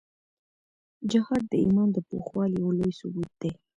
جهاد د ایمان د پخوالي یو لوی ثبوت دی.